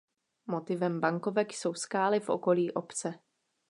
Motivem bankovek jsou skály v okolí obce.